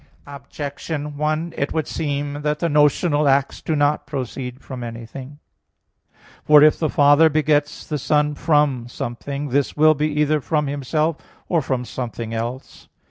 Objection 1: It would seem that the notional acts do not proceed from anything. For if the Father begets the Son from something, this will be either from Himself or from something else.